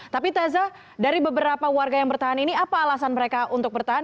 tapi taza dari beberapa warga yang bertahan ini apa alasan mereka untuk bertahan